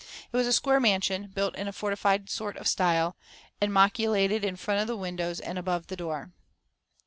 It was a square mansion, built in a fortified sort of style and machicolated in front of the windows and above the door.